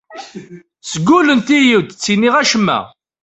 Sgullent-iyi ur d-ttiniɣ acemma.